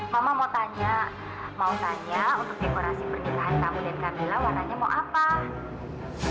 mama mau tanya mau tanya untuk dekorasi pernikahan kamu dan camilla warnanya mau apa